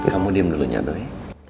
kamu diem dulunya doi